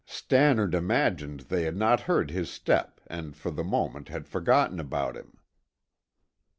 Stannard imagined they had not heard his step and for the moment had forgotten about him.